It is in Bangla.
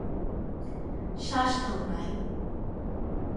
শ্বাস নাও, রাইম।